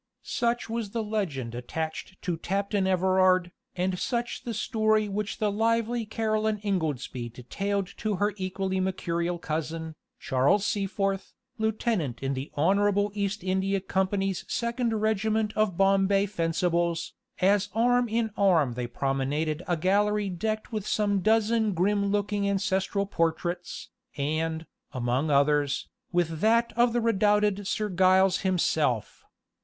Such was the legend attached to Tapton Everard, and such the story which the lively Caroline Ingoldsby detailed to her equally mercurial cousin, Charles Seaforth, lieutenant in the Hon. East India Company's second regiment of Bombay Fencibles, as arm in arm they promenaded a gallery decked with some dozen grim looking ancestral portraits, and, among others, with that of the redoubted Sir Giles himself.